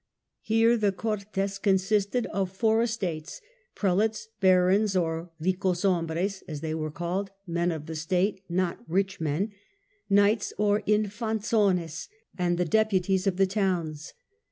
Here the Cortes consisted of four estates ; Prelates, Barons, or Bicoshomhres as they were called (men of the State, not rich men), Knights or Infanzones, and the deputies of the towns.